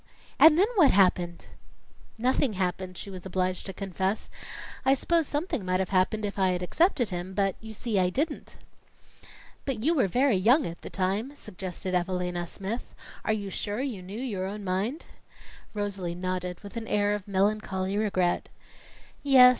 "And then what happened?" "Nothing happened," she was obliged to confess. "I s'pose something might have happened if I'd accepted him, but you see, I didn't." "But you were very young at the time," suggested Evalina Smith. "Are you sure you knew your own mind?" Rosalie nodded with an air of melancholy regret. "Yes.